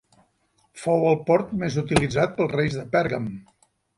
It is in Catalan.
Fou el port més utilitzat pels reis de Pèrgam.